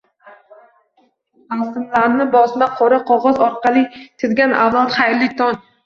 Rasmlarni bosma qora qog'oz orqali chizgan avlod, xayrli tong!